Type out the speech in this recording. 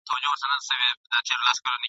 د جنون غرغړې مړاوي زولانه هغسي نه ده !.